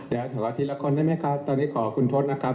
เดี๋ยวขอทีละคนได้ไหมครับตอนนี้ขอคุณทศนะครับ